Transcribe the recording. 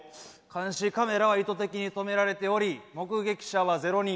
監視カメラは意図的に止められており目撃者はゼロ人。